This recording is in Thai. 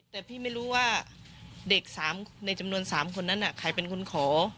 แต่พี่ไม่รู้ว่าเด็ก๓ในจำนวน๓คนนั้นใครเป็นคนขอ